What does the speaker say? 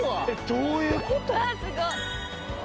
どういうこと？